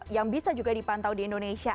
yang bisa juga dipantau di indonesia